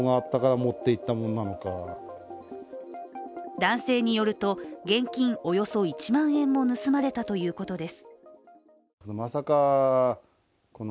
男性によると、現金およそ１万円も盗まれたということです。